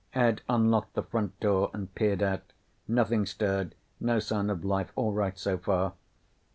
Ed unlocked the front door and peered out. Nothing stirred. No sign of life. All right so far.